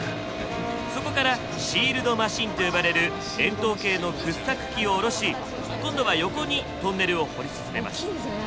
そこからシールドマシンと呼ばれる円筒形の掘削機を下ろし今度は横にトンネルを掘り進めます。